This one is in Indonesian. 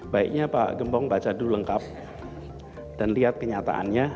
baiknya pak gembong baca dulu lengkap dan lihat kenyataannya